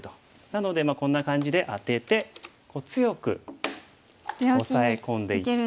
なのでこんな感じでアテて強くオサエ込んでいって。